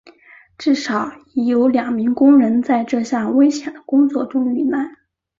至少已有两名工人在这项危险的工作中遇难。